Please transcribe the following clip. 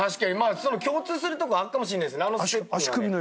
共通するとこあるかもしれないあのステップはね。